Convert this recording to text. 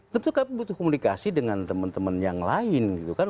tentu kami butuh komunikasi dengan teman teman yang lain gitu kan